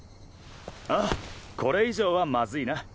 ああこれ以上はマズいな。